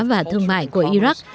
và thương mại của iraq